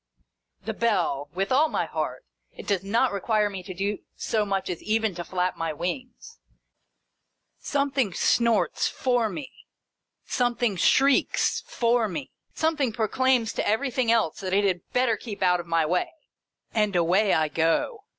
The bell ! With all my heart. It does not require me to do so much as even to flap my wings. Something snorts for me, some thing shrieks for me, something proclaims to everything else that it had better keep out of my way, — and away I go.